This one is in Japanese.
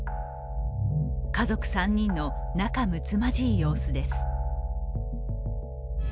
家族３人の仲むつまじい様子です。